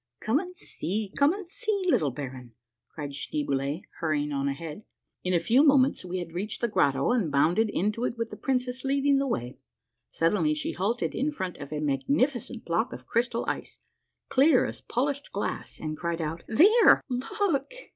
" Come and see, come and see, little baron !" cried Schnee boule, hurrying on ahead. In a few moments we had reached the grotto and bounded into it with the Princess leading the way. Suddenly she halted in front of a magnificent block of crystal ice, clear as polished glass, and cried out, —" There, look